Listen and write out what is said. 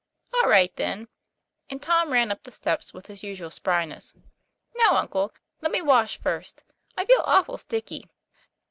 " All right, then." And Tom ran up the steps with his usual spryness. 4 Now, uncle, let me wash first; I feel awful sticky."